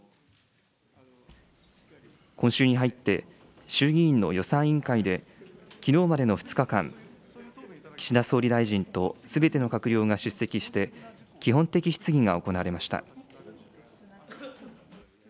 今週に入って、衆議院の予算委員会できのうまでの２日間、岸田総理大臣とすべての閣僚が出席して、基本的質疑が行われました。